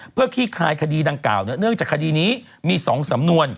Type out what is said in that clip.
เพื่อคลี่คลายคดีดังกล่าวเนื่องจากคดีนี้มี๒สำนวน